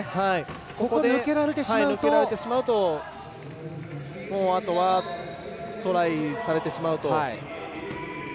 ここで抜けられてしまうとあとは、トライされてしまうと。